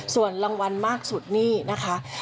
ส่วนรางวัลมากสุดนี่นะคะ